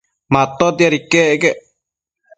Matotiad iquec quec